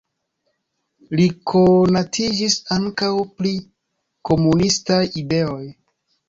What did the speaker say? Li konatiĝis ankaŭ pri komunistaj ideoj.